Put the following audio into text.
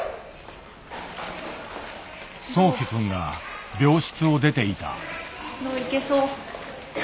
そうき君が病室を出ていた。